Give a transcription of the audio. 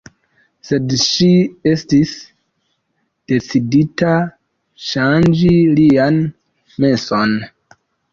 Sed ŝi estis decidita ŝanĝi lian menson.